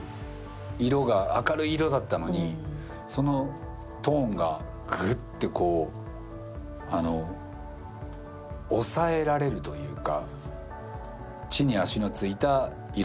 色が明るい色だったのにそのトーンがグッてこう、抑えられるというか。